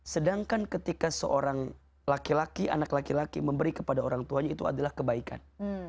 sedangkan ketika seorang laki laki anak laki laki memberi kepada orang tuanya itu adalah kebaikan